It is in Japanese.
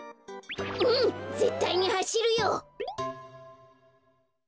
ぜったいにはしるよ！